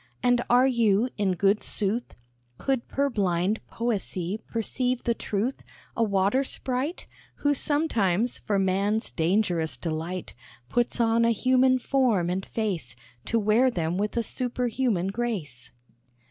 And are you, in good sooth, Could purblind poesy perceive the truth, A water sprite, Who sometimes, for man's dangerous delight, Puts on a human form and face, To wear them with a superhuman grace?